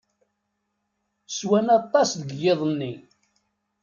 Swan aṭas deg yiḍ-nni.